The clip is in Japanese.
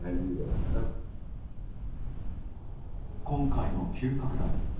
今回の急拡大。